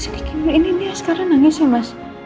untuk bisa lewatin ini semua